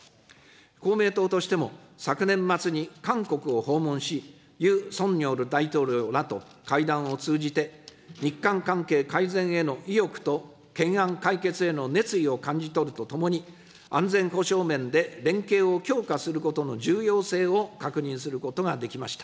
公明党としても、昨年末に韓国を訪問し、ユン・ソンニョル大統領らと会談を通じて、日韓関係改善への意欲と懸案解決への熱意を感じ取るとともに、安全保障面で連携を強化することの重要性を確認することができました。